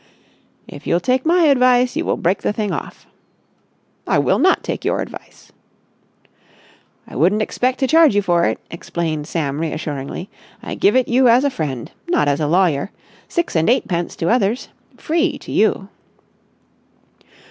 "If you'll take my advice, you will break the thing off." "I will not take your advice." "I wouldn't expect to charge you for it," explained Sam reassuringly. "I give it you as a friend, not as a lawyer. Six and eightpence to others, free to you."